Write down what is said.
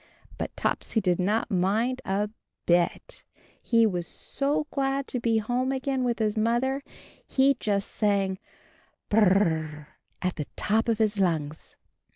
But Topsy did not mind a bit, he was so glad to be home again with his mother — he just sang p r r r r rrrr at the top of his lungs.